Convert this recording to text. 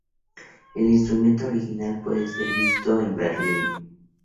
El instrumento original puede ser visto en Berlín.